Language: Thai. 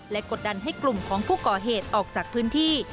กดดันให้กลุ่มของผู้ก่อเหตุออกจากพื้นที่